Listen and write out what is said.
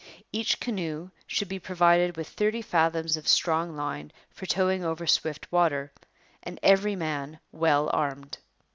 Each canoe should be provided with thirty fathoms of strong line for towing over swift water, and every man well armed.